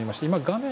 画面